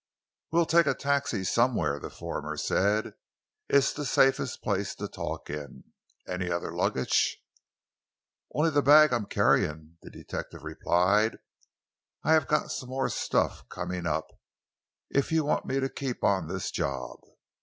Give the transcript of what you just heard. "We'll take a taxi somewhere," the former said. "It's the safest place to talk in. Any other luggage?" "Only the bag I'm carrying," the detective replied. "I have got some more stuff coming up, if you want me to keep on this job."